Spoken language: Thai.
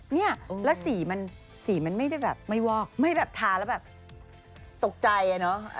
เนี่ยแล้วสีมันไม่ได้แบบไม่แบบทาแล้วแบบตกใจเนอะ